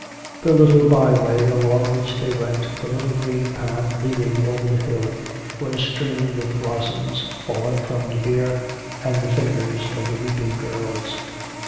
The little by way along which they went, the little green path leading over the hill, was strewn with blossoms fallen from the bier and the fingers of the weeping girls.